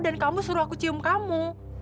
dan kamu suruh aku cium kamu